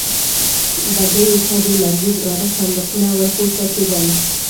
بګيو ته د لرګي درانه صندوقونه ور پورته کېدل.